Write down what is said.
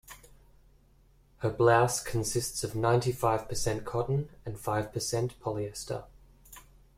Her blouse consists of ninety-five percent cotton and five percent polyester.